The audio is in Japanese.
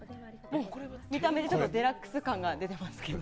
見た目でデラックス感が出ていますけど。